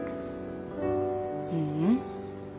ううん。